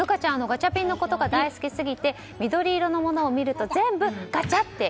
ガチャピンのことが大好きすぎて緑色のものを見ると全部ガチャって